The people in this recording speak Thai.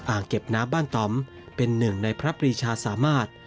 เก็บน้ำบ้านต่อมเป็นหนึ่งในพระปรีชาสามารถ